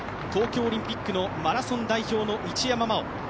東京オリンピックのマラソン代表の一山麻緒。